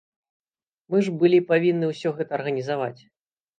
Мы ж былі павінны ўсё гэта арганізаваць.